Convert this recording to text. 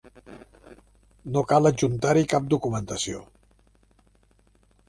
No cal adjuntar-hi cap documentació.